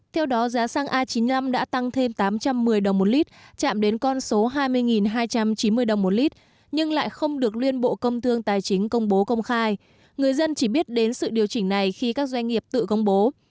theo đó giá xăng a chín mươi năm đã tăng thêm tám trăm một mươi đồng một lít chạm đến con số hai mươi hai trăm chín mươi đồng một lít nhưng lại không được liên bộ công thương tài chính công bố công khai người dân chỉ biết đến sự điều chỉnh này khi các doanh nghiệp tự công bố